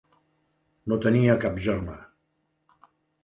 No tenia cap germà.